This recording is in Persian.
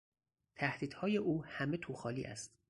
تهدیدهای او همه توخالی است.